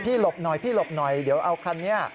พี่หลบหน่อยเดี๋ยวเอาคันนี้